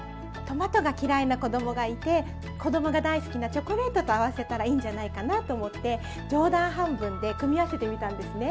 トマトが嫌いな子供がいて子供が大好きなチョコレートと合わせたらいいんじゃないかなと思って冗談半分で組み合わせてみたんですね。